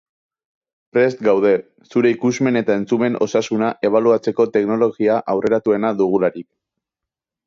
Prest gaude, zure ikusmen eta entzumen osasuna ebaluatzeko teknologia aurreratuena dugularik.